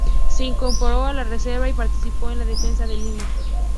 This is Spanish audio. Se incorporó a la reserva y participó en la defensa de Lima.